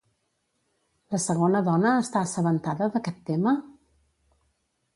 La segona dona està assabentada d'aquest tema?